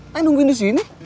tanya nungguin di sini